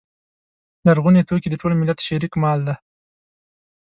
لرغوني توکي د ټول ملت شریک مال دی.